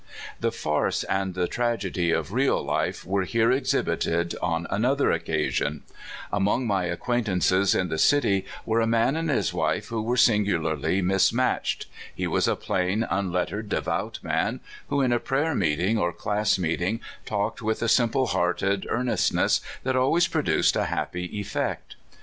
The farce and the tragedy of real life were here exhibited on another occasion. Among my ac quaintances in the city were a man and his wife who were singularly mismatched. He was a plain, unlettered, devout man, who in a prayer meeting or class meeting talked with a simple hearted ear nestness that always produced a happy effect. LONE MOUNTAIN.